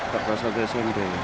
kelas satu smp